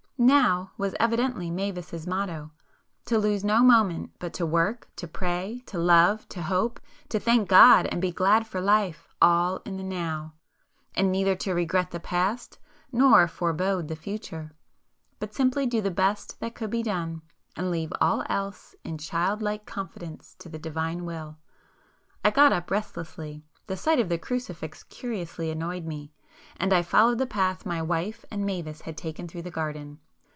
'Now' was evidently Mavis's motto,—to lose no moment, but to work, to pray, to love, to hope, to thank God and be glad for life, all in the 'Now'—and neither to regret the past nor forebode the future, but simply do the best that could be done, and leave all else in child like confidence to the Divine Will. I got up restlessly,—the sight of the crucifix curiously annoyed me;—and I followed the path my wife and Mavis had taken through the garden.